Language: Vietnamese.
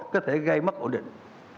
có thể gây mất ổn định